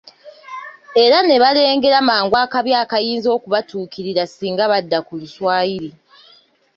Era ne balengera mangu akabi akayinza okubatuukirira singa badda ku Luswayiri